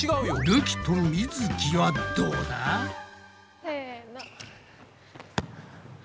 るきとみづきはどうだ？せの。